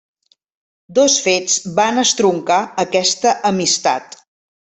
Dos fets van estroncar aquesta amistat.